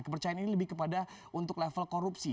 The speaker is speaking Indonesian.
kepercayaan ini lebih kepada untuk level korupsi